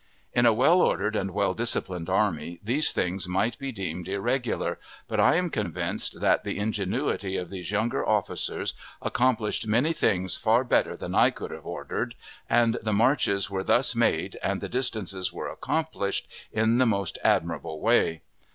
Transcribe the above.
In a well ordered and well disciplined army, these things might be deemed irregular, but I am convinced that the ingenuity of these younger officers accomplished many things far better than I could have ordered, and the marches were thus made, and the distances were accomplished, in the most admirable way.